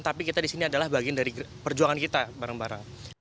tapi kita di sini adalah bagian dari perjuangan kita bareng bareng